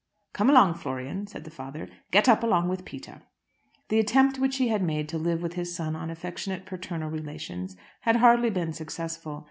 "Come along, Florian," said the father. "Get up along with Peter." The attempt which he had made to live with his son on affectionate paternal relations had hardly been successful.